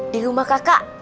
di rumah kakak